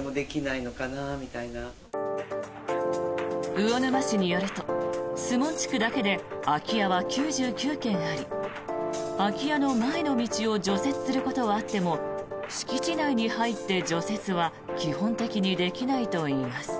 魚沼市によると守門地区だけで空き家は９９件あり空き家の前の道を除雪することはあっても敷地内に入って除雪は基本的にできないといいます。